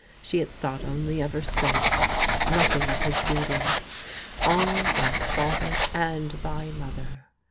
She had thought only of herself, no^Jiing of her duty. " Honour thy father and thy mother."